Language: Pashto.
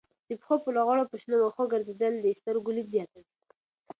د پښو په لغړو په شنو وښو ګرځېدل د سترګو لید زیاتوي.